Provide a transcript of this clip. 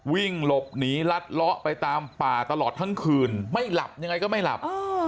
วิ่งหลบหนีรัดเลาะไปตามป่าตลอดทั้งคืนไม่หลับยังไงก็ไม่หลับ